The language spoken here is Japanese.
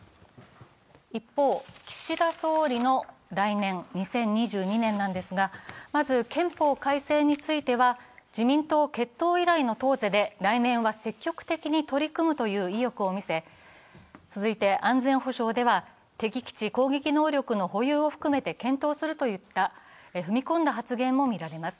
一方、岸田総理の来年、２０２２年なんですがまず、憲法改正については自民党結党以来の党是で来年は積極的に取り組むという意欲を見せ続いて安全保障では敵基地攻撃能力の保有を含めて検討するといった、踏み込んだ発言もみられます。